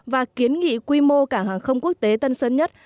và kiến nghị quy mô cảng hàng không quốc tế tân sơn nhất